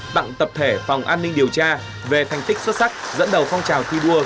tặng tập thể phòng an ninh điều tra về thành tích xuất sắc dẫn đầu phong trào thi đua